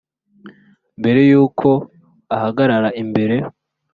Mbere y uko ahagarara imbere